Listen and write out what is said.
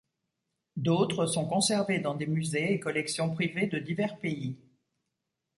D'autres sont conservées dans des musées et collections privées de divers pays.